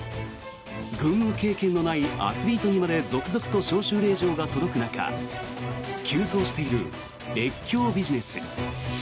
軍務経験のないアスリートにまで続々と招集令状が届く中急増している越境ビジネス。